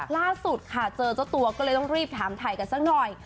ล่าสุดค่ะเจอเจ้าตัวก็เลยต้องรีบถามถ่ายกันสักหน่อย